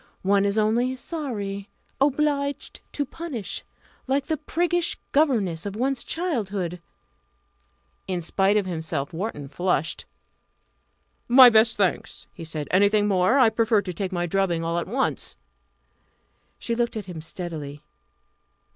One is only 'sorry' 'obliged to punish' like the priggish governess of one's childhood!" In spite of himself, Wharton flushed. "My best thanks!" he said. "Anything more? I prefer to take my drubbing all at once." She looked at him steadily.